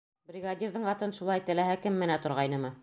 — Бригадирҙың атын шулай теләһә кем менә торғайнымы?